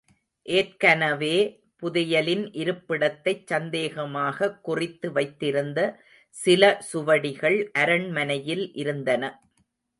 ஏற்கனவே புதையலின் இருப்பிடத்தைச் சந்தேகமாகக் குறித்து வைத்திருந்த சில சுவடிகள் அரண்மனையில் இருந்தன.